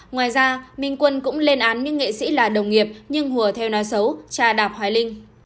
ngoài ra minh quân cũng lên án những nghệ sĩ là đồng nghiệp nhưng hùa theo nói xấu cha đạp hoài linh